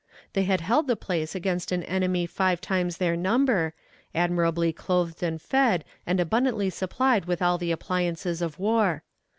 ... They had held the place against an enemy five times their number, admirably clothed and fed, and abundantly supplied with all the appliances of war.